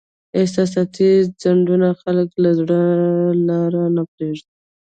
احساساتي خنډونه خلک له زړو لارو نه پرېږدي.